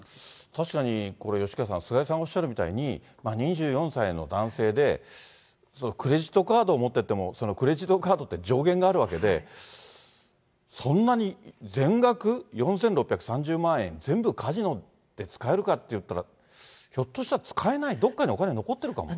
確かに、これ、吉川さん、菅井さんおっしゃるみたいに、２４歳の男性で、クレジットカードを持ってても、クレジットカードって、上限があるわけで、そんなに全額、４６３０万円全部カジノで使えるかっていったら、ひょっとしたら使えない、どこかにお金残ってるかも。